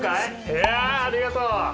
いやありがとう。